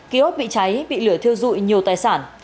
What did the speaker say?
ký ốt bị cháy bị lửa thiêu dụi nhiều tài sản